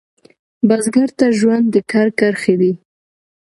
بزګر ته ژوند د کر کرښې دي